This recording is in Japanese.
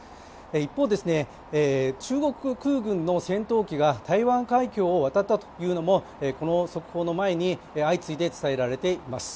一方、中国空軍の戦闘機が台湾海峡を渡ったというのもこの速報の前に、相次いで伝えられています。